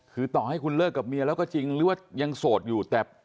คือต่อให้คุณเลิกกับเมียแล้วก็จริงหรือว่ายังโสดอยู่แต่